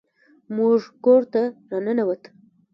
زموږ کور ته راننوت